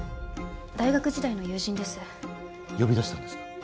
大学時代の友人です呼び出したんですか？